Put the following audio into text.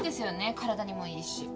体にもいいし。